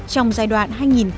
trong giai đoạn